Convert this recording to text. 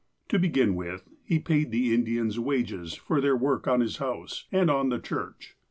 To begin with, he paid the Indians wages for their work on his house, and on the church.